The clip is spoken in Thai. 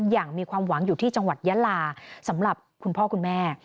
อย่างมีความหวังอยู่ที่จังหวัดยาลาสำหรับคุณพ่อคุณแม่